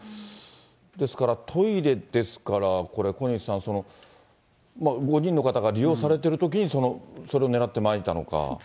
ですから、トイレですから、これ、小西さん、５人の方が利用されているときに、それを狙ってまいたのか。